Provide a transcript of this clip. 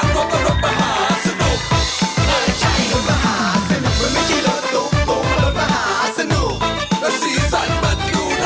งาน